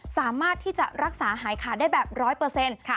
สามารถที่จะรักษาหายขาดได้แบบ๑๐๐ค่ะ